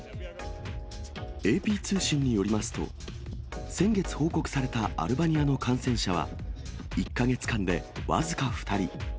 ＡＰ通信によりますと、先月報告されたアルバニアの感染者は、１か月間で僅か２人。